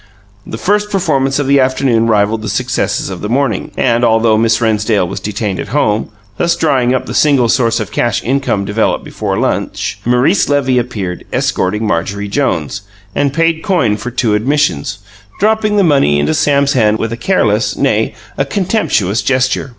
The first performance of the afternoon rivalled the successes of the morning, and although Miss Rennsdale was detained at home, thus drying up the single source of cash income developed before lunch, Maurice Levy appeared, escorting Marjorie Jones, and paid coin for two admissions, dropping the money into Sam's hand with a careless nay, a contemptuous gesture.